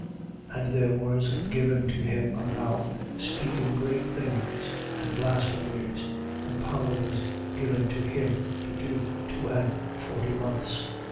13:5. And there was given to him a mouth speaking great things and blasphemies: and power was given to him to do, two and forty months.